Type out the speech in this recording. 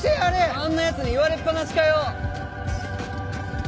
あんなやつに言われっぱなしかよ！